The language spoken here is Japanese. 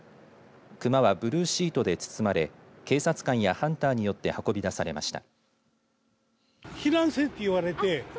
クマはブルーシートで包まれ警察官やハンターによって運び出されました。